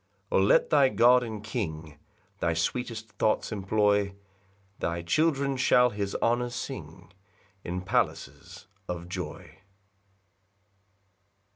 8 O let thy God and King Thy sweetest thoughts employ; Thy children shall his honours sing In palaces of joy.